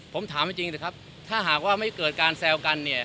ผมถามจริงนะครับถ้าหากว่าไม่เกิดการแซวกันเนี่ย